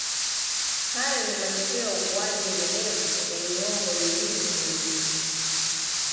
Hayo ni matokeo ya ukuaji endelevu wa miongo miwili mfululizo